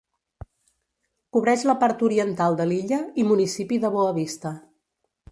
Cobreix la part oriental de l'illa i municipi de Boa Vista.